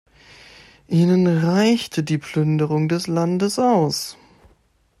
Ihnen reichte die Plünderung des Landes aus.